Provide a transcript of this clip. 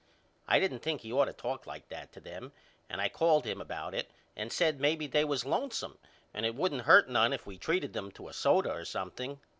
I didn't think he ought to talk like that to them and I called him about it and said maybe they was lonesome and it wouldn't hurt none if we treated them to a soda or something.